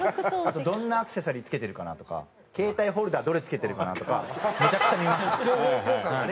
どんなアクセサリー付けてるかなとか携帯ホルダーどれ付けてるかなとかめちゃくちゃ見ますね。